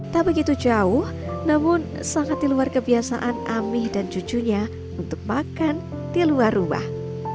tak begitu jauh namun sangat di luar kebiasaan amih dan cucunya untuk makan di luar rumah